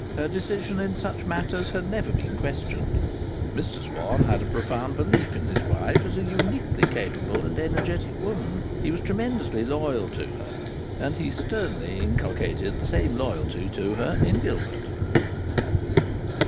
Her decision in such matters had never been questioned. Mr Swann had a profound belief in his wife as a uniquely capable and energetic woman. He was tremendously loyal to her, and he sternly inculcated the same loyalty to her in Gilbert.